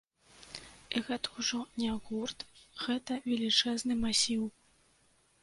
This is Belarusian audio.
І гэта ўжо не гурт, гэта велічэзны масіў.